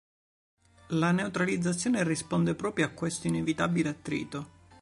La neutralizzazione risponde proprio a questo inevitabile attrito.